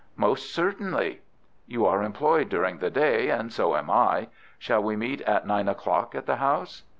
"Most certainly." "You are employed during the day, and so am I. Shall we meet at nine o'clock at the house?"